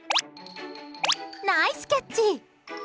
ナイスキャッチ！